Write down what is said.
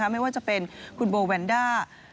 ไม่ว่าจะเป็นคุณโบแวนด้า